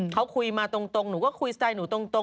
เขาคุยมาตรงหนูก็คุยสไตล์หนูตรง